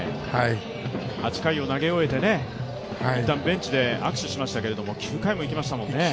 ８回を投げ終えて、一旦ベンチで握手しましたけど９回もいきましたもんね。